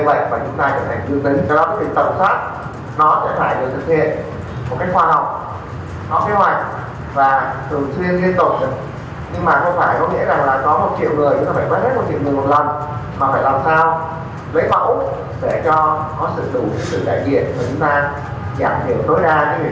mà phải làm sao với phẫu để cho có sự đủ sự đại diện để chúng ta giảm hiểu tối đa những cái khóa sót